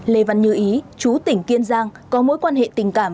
lê văn như ý chú tỉnh kiên giang có mối quan hệ tình cảm